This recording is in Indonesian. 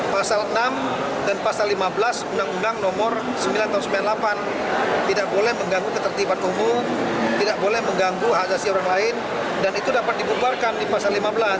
pasal enam dan pasal lima belas undang undang nomor sembilan tahun seribu sembilan ratus sembilan puluh delapan tidak boleh mengganggu ketertiban umum tidak boleh mengganggu hak asasi orang lain dan itu dapat dibubarkan di pasal lima belas